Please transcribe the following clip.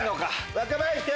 若林君！